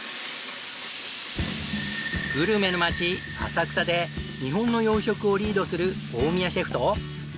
グルメの街浅草で日本の洋食をリードする大宮シェフと。